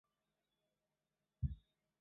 默斯河畔埃皮耶。